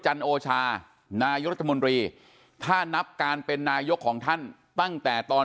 จันโอชานายกรัฐมนตรีถ้านับการเป็นนายกของท่านตั้งแต่ตอน